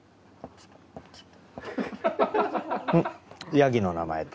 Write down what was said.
ヤギの名前と。